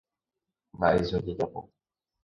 Mba'éicha ojejapo.